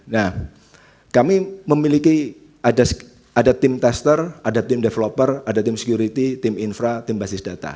nah kami memiliki ada tim tester ada tim developer ada tim security tim infra tim basis data